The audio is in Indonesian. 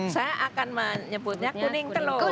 saya akan menyebutnya kuning telur